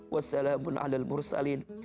wassalamun ala mursalin